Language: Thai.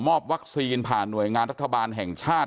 วัคซีนผ่านหน่วยงานรัฐบาลแห่งชาติ